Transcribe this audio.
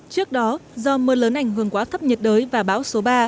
trước đó do mưa lớn ảnh hưởng quá thấp nhiệt đới và bão số ba